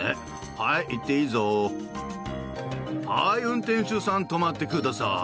はい、運転手さん止まってください。